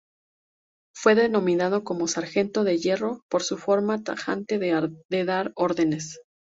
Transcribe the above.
Fue denominado como "Sargento de hierro" por su forma tajante de dar órdenes.